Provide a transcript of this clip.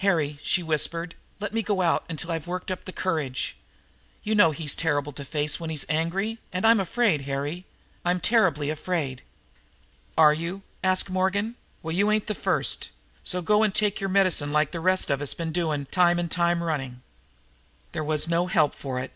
"Harry," she whispered, "let me go out till I've worked up my courage. You know he's terrible to face when he's angry. And I'm afraid, Harry I'm terribly afraid!" "Are you?" asked Morgan. "Well, you ain't the first. Go and take your medicine like the rest of us have done, time and time running." There was no help for it.